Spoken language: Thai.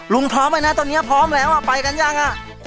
พร้อมไหมนะตอนนี้พร้อมแล้วไปกันยังอ่ะ